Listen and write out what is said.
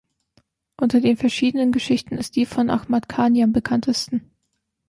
Unter den verschiedenen Geschichten ist die von Ahmad Khani am bekanntesten.